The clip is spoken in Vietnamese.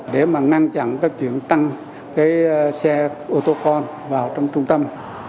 để mà ngăn chặn cái chuyện tăng cái xe ô tô con vào trong trung tâm